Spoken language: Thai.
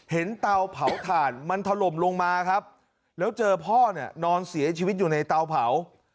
เตาเผาถ่านมันถล่มลงมาครับแล้วเจอพ่อเนี่ยนอนเสียชีวิตอยู่ในเตาเผา